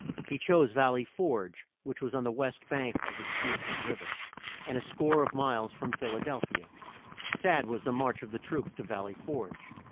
He chose Val ley Forge, which was on the west bank of the Schuyl (school) kill Riv er, and a score of miles from Phil a del phi a. Sad was the march of the troops to Val ley Forge.